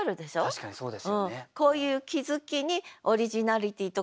確かにそうですよね。